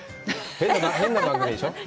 変な番組でしょう？